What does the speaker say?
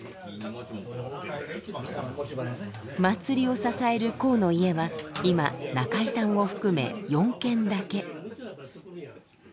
祭りを支える講の家は今中井さんを含め４軒だけ。